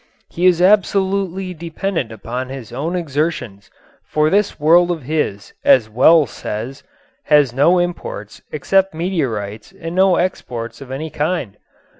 He is absolutely dependent upon his own exertions, for this world of his, as Wells says, has no imports except meteorites and no exports of any kind.